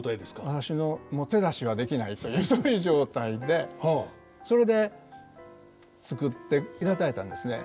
私のもう手出しできないというそういう状態でそれで作っていただいたんですね。